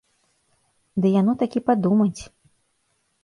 Ды яно такі падумаць!